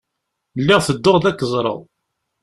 Lliɣ tedduɣ-d ad k-ẓreɣ.